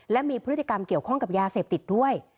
และมีพฤติกรรมเกี่ยวข้องกับยาเสพติดด้วย